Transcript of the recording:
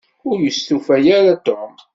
Ur yestufa ara Tom.